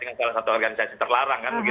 dengan salah satu organisasi terlarang